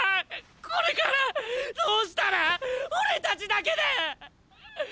これからどうしたら⁉オレたちだけで⁉っ！！